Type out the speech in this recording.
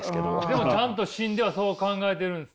でもちゃんと心ではそう考えてるんですね。